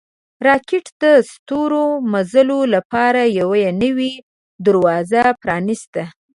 راکټ د ستورمزلو لپاره یوه نوې دروازه پرانیسته